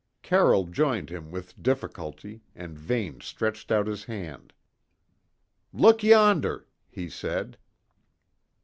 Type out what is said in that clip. Carroll joined him with difficulty, and Vane stretched out his hand. "Look yonder," he said.